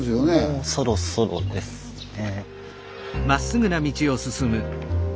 もうそろそろですね。